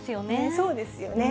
そうですよね。